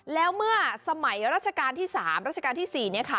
แล้วเมื่อสมัยราชการที่๓รัชกาลที่๔เนี่ยค่ะ